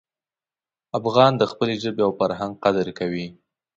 افغان د خپلې ژبې او فرهنګ قدر کوي.